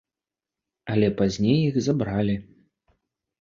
Але пазней іх забралі.